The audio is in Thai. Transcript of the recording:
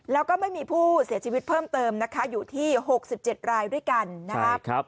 แล้วก็ไม่มีผู้เสียชีวิตเพิ่มเติมนะคะอยู่ที่๖๗รายด้วยกันนะครับ